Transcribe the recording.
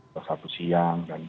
satu sampai siang